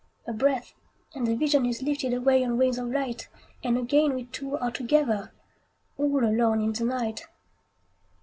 A breath, and the vision is lifted Away on wings of light, And again we two are together, All alone in the night.